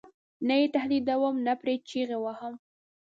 نه یې تهدیدوم نه پرې چغې وهم.